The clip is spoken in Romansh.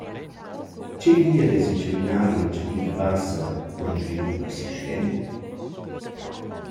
Che via dess inchaminar l’Engiadina Bassa per ün svilup persistent?